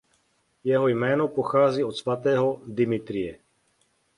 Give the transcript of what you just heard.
Jeho jméno pochází od svatého Dimitrije.